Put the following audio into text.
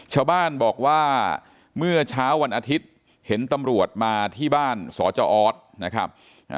ชาวบ้านบอกว่าเมื่อเช้าวันอาทิตย์เห็นตำรวจมาที่บ้านสจออสนะครับ